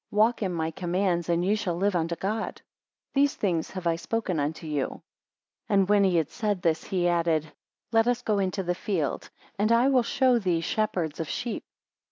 Walk in my commands, and ye shall live unto God: These things have I spoken unto you. 7 And when he, had said this, he added; let us go into the field, and I will show thee shepherds of sheep.